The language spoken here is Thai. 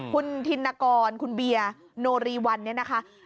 คุณธินกรคุณเบียร์โนรีวันเนี่ยนะคะ